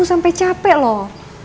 sampai capek loh